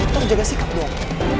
tau jaga sikap dong